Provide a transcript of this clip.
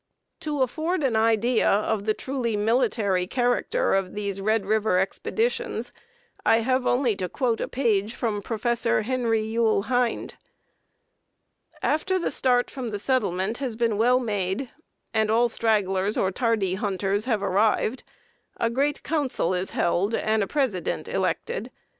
] To afford an idea of the truly military character of those Red River expeditions, I have only to quote a page from Prof. Henry Youle Hind: [Note 58: Assinniboine and Saskatch. Exp. Exped., II, p. 111.] "After the start from the settlement has been well made, and all stragglers or tardy hunters have arrived, a great council is held and a president elected.